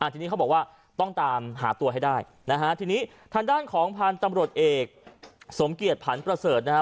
ทีนี้เขาบอกว่าต้องตามหาตัวให้ได้นะฮะทีนี้ทางด้านของพันธุ์ตำรวจเอกสมเกียจผันประเสริฐนะฮะ